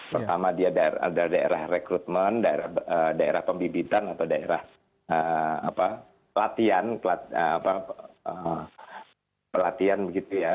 pertama dia ada daerah rekrutmen daerah pembibitan atau daerah latihan begitu ya